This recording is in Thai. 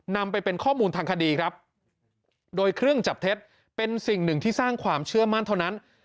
นำไปเป็นข้อมูลทางคดีครับโดยเครื่องจับเท็จเป็นสิ่งหนึ่งที่สร้างความเชื่อมั่นเท่านั้น